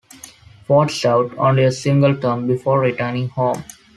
Ford served only a single term before returning home.